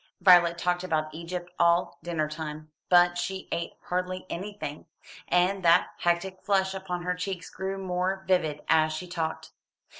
Violet talked about Egypt all dinner time, but she ate hardly anything, and that hectic flush upon her cheeks grew more vivid as she talked.